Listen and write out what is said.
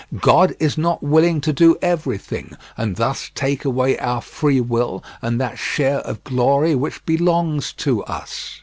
God is not willing to do everything, and thus take away our free will and that share of glory which belongs to us.